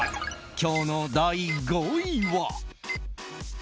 今日の第５位は。